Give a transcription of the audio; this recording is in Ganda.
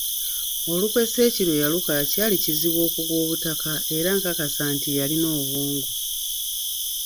Olukwe Sseeki lwe yaluka kyali kizibu okugwa obutaka era nakakasa nti yalina obwongo.